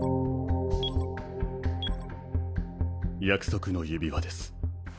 約束の指輪です。